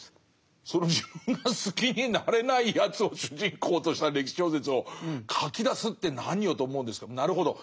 その自分が好きになれないやつを主人公とした歴史小説を書きだすって何よと思うんですけどもなるほど。